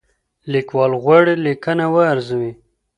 لیکوال غواړي لیکنه وارزوي.